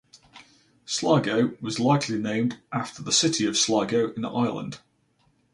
Sligo was likely named after the city of Sligo in Ireland.